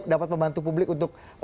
dapat membantu publik untuk